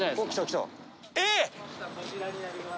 こちらになります。